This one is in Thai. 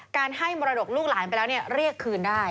การให้มรดกลูกหลานไปแล้วเรียกคืนได้